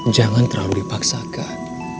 jangan terlalu dipaksakan